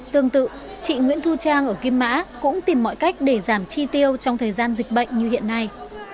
tương tự chị nguyễn thu trang ở kim mã cũng tìm mọi cách để giảm chi tiêu trong thời gian dịch bệnh như hiện nay